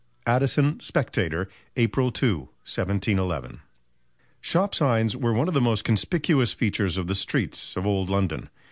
ADDISON, Spectator, April 2, 1711. Shop signs were one of the most conspicuous features of the streets of old London.